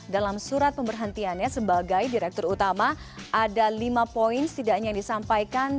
dalam surat pemberhentiannya sebagai direktur utama ada lima poin setidaknya yang disampaikan